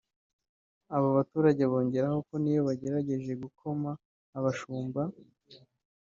Aba baturage bongeraho ko n’iyo bagerageje gukoma abashumba